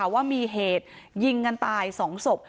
ว่ามีเหตุยิงกันตาย๒ศพ